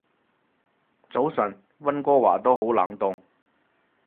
早晨，溫哥華都好冷凍